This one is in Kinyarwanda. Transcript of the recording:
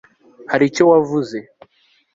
hari icyo wavuze